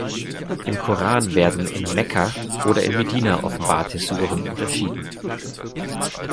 Im Koran werden in Mekka oder in Medina offenbarte Suren unterschieden.